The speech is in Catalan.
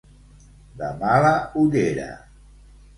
De mala ullera.